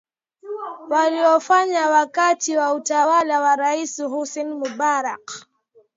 waliofanya wakati wa utawala wa rais hosni mubarak